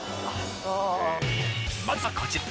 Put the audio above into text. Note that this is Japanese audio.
まずはこちら。